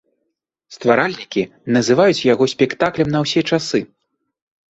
Стваральнікі называюць яго спектаклем на ўсе часы.